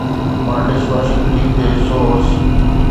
مان dish washing team جو حصو هوس.